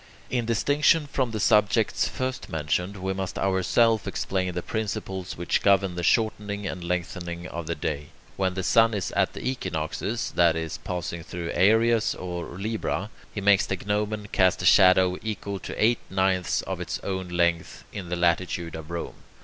In distinction from the subjects first mentioned, we must ourselves explain the principles which govern the shortening and lengthening of the day. When the sun is at the equinoxes, that is, passing through Aries or Libra, he makes the gnomon cast a shadow equal to eight ninths of its own length, in the latitude of Rome.